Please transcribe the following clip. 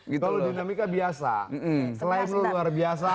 kalau dinamika biasa selain luar biasa